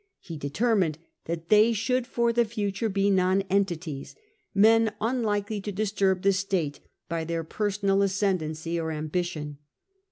He determined that they should for the future be nonentities, men unlikely to disturb the state by their personal ascendency or ambition.